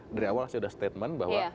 dari awal sudah ada statement bahwa